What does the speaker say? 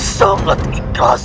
begitu sangat ikhlas